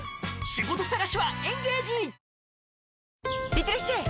いってらっしゃい！